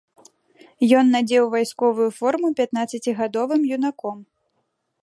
Ён надзеў вайсковую форму пятнаццацігадовым юнаком.